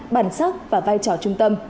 bản sắc và vai trò trung tâm